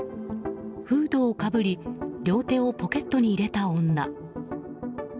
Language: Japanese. フードをかぶり両手をポケットに入れた女。